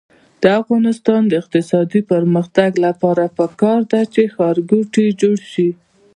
د افغانستان د اقتصادي پرمختګ لپاره پکار ده چې ښارګوټي جوړ شي.